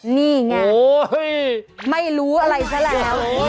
นี่ไงไม่รู้อะไรแหละโอ๊ยเฮ้ย